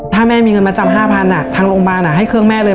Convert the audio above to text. ถ้าแม่มีเงินมาจำ๕๐๐ทางโรงพยาบาลให้เครื่องแม่เลย